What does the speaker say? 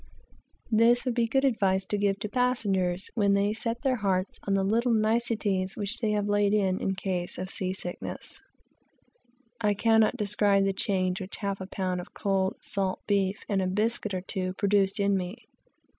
This would be good advice to give to passengers, when they speak of the little niceties which they have laid in, in case of sea sickness. I cannot describe the change which half a pound of cold salt beef and a biscuit or two produced in me.